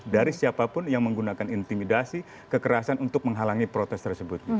dari siapapun yang menggunakan intimidasi kekerasan untuk menghalangi protes tersebut